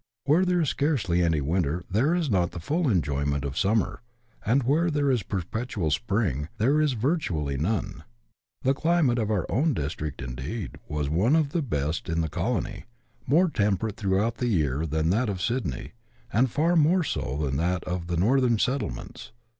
Where there is scarcely any winter there is not the full enjoyment of summer, and where there is "perpetual spring" there is vir tually none. The climate of our own district, indeed, was one of the best in the colony, more temperate throughout the year than that of Sydney, and far more so than that of the northern settlements.